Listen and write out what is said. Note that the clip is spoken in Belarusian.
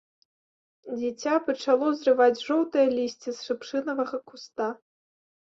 Дзіця пачало зрываць жоўтае лісце з шыпшынавага куста.